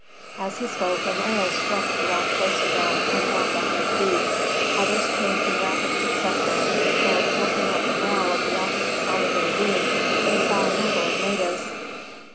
As he spoke an arrow struck the rock close to them and dropped at their feet. Others came in rapid succession; and, looking at the brow of the opposite side of the ravine, they saw a number of natives.